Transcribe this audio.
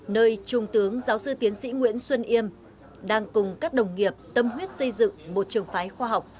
nơi trung tướng giáo sư tiến sĩ nguyễn xuân yêm đang cùng các đồng nghiệp tâm huyết xây dựng một trường phái khoa học